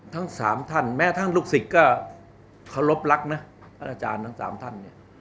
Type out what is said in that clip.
ทั้งสามท่านแม้ท่านลูกศิษย์ก็ขอรบรักนะอาจารย์ทั้งสามท่าน